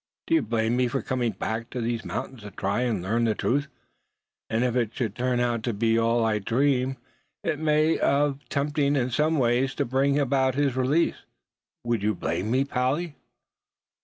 Do you blame me for coming back to these mountains to try and learn the truth; and if it should turn out to be all I dream it may, of attempting in some way to bring about his release. Would you blame me, Polly?"